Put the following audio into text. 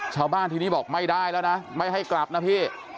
ชาวบ้านทีนี้บอกไม่ได้แล้วนะไม่ให้กลับนะพี่